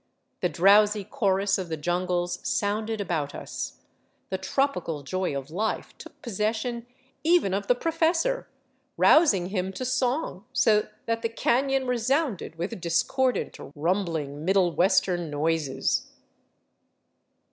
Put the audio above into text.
The drowsy chorus of the jungles sounded about us ; the tropical joy of life took possession even of the professor, rousing him to song, so that the canon resounded with discordant, rumbling Middle Western noises.